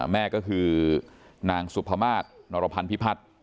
แม่ก็คือนางสุภามาศนรพันธิพัฒน์